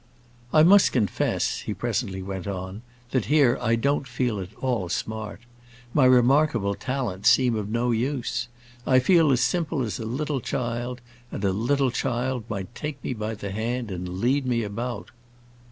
"I must confess," he presently went on, "that here I don't feel at all smart. My remarkable talents seem of no use. I feel as simple as a little child, and a little child might take me by the hand and lead me about."